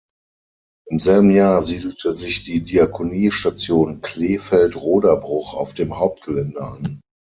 Im selben Jahr siedelte sich die Diakonie-Station Kleefeld-Roderbruch auf dem Hauptgelände an.